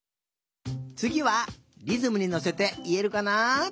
つぎはリズムにのせていえるかな？